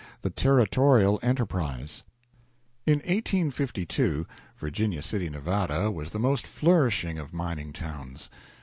THE TERRITORIAL ENTERPRISE In 1852 Virginia City, Nevada, was the most flourishing of mining towns.